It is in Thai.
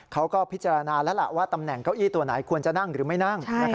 เขาก็พิจารณาแล้วล่ะว่าตำแหน่งเก้าอี้ตัวไหนควรจะนั่งหรือไม่นั่ง